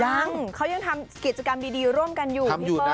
ยังเขายังทำกิจกรรมดีร่วมกันอยู่พี่เปิ้ล